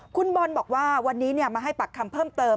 คุณบอลบอกว่าวันนี้มาให้ปากคำเพิ่มเติม